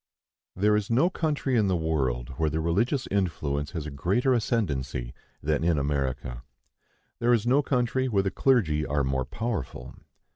There is no country in the world where the religious influence has a greater ascendency than in America. There is no country where the clergy are more powerful.